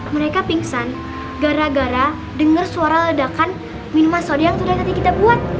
mereka pingsan gara gara dengar suara ledakan minuman sodi yang sudah tadi kita buat